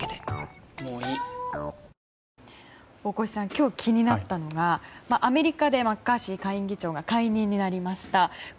今日気になったのがアメリカでマッカーシー下院議長が解任になりました。